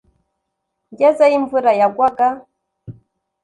Ngezeyo imvura yagwaga